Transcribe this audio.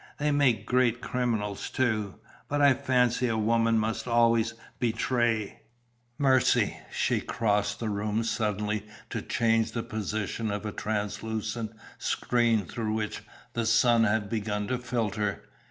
They make great criminals, too. But I fancy a woman must always betray " "Mercy!" She crossed the room suddenly to change the position of a translucent screen through which the sun had begun to filter.